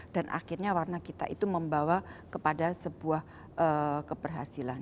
dan akhirnya warna kita itu membawa kepada sebuah keberhasilan